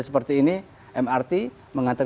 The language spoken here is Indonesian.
seperti ini mrt mengantar